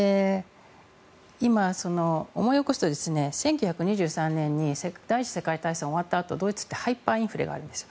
今、思い起こすと１９２３年に第１次世界大戦が終わったあとドイツってハイパーインフレがあるんです。